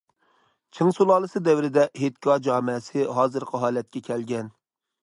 چىڭ سۇلالىسى دەۋرىدە ھېيتگاھ جامەسى ھازىرقى ھالەتكە كەلگەن.